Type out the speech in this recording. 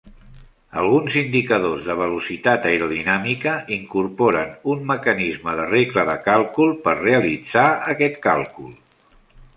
Alguns indicadors de velocitat aerodinàmica incorporen un mecanisme de regle de càlcul per realitzar aquest càlcul.